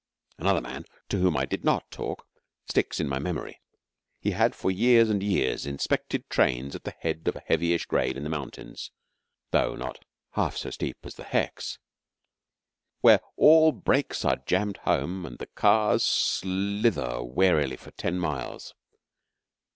Another man, to whom I did not talk, sticks in my memory. He had for years and years inspected trains at the head of a heavyish grade in the mountains though not half so steep as the Hex where all brakes are jammed home, and the cars slither warily for ten miles.